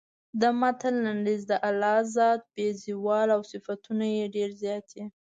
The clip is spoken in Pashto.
د متن لنډیز د الله ذات بې زواله او صفتونه یې ډېر زیات دي.